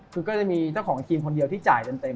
คือก็จะมีเจ้าของทีมคนเดียวที่จ่ายเต็ม